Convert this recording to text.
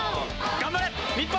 頑張れ！日本。